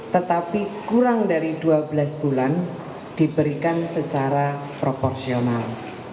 tetapi kurang dari dua belas bulan diberikan secara proporsional